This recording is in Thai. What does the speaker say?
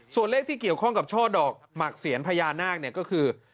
ส่วนเลขที่เกี่ยวข้องกับช่อดอกหมักเสียนพญานาคเนี่ยก็คือ